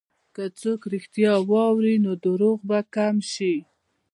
که څوک رښتیا واوري، نو دروغ به کم شي.